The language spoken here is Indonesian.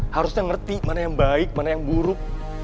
harusnya ngerti mana yang baik mana yang buruk